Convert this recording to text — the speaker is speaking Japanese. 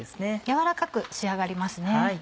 軟らかく仕上がりますね。